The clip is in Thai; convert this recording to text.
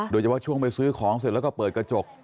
โดยเฉพาะช่วงไปซื้อของเสร็จแล้วก็เปิดกระจก